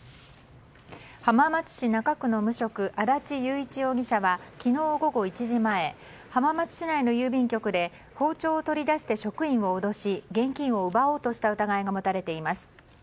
浜松市中区の無職安達裕一容疑者は昨日午後１時前浜松市内の郵便局で包丁を取り出して職員を脅し現金を奪おうとした疑いが持たれています。